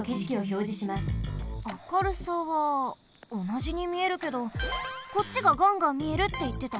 明るさはおなじにみえるけどこっちが「ガンガンみえる」っていってた。